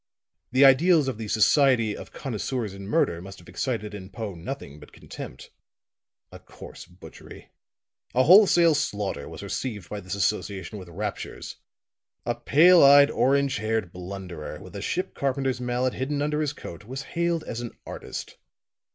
The ideals of the 'Society of Connoisseurs in Murder' must have excited in Poe nothing but contempt. A coarse butchery a wholesale slaughter was received by this association with raptures; a pale eyed, orange haired blunderer, with a ship carpenter's mallet hidden under his coat, was hailed as an artist.